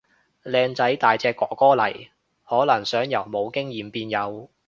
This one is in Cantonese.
靚仔大隻哥哥嚟，可能想由冇經驗變有